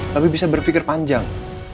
lebih bisa berpikir panjang